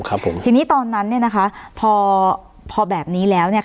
ครับผมทีนี้ตอนนั้นเนี่ยนะคะพอพอแบบนี้แล้วเนี่ย